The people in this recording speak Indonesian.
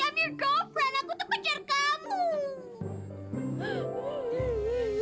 i'm your girlfriend aku tuh pacar kamu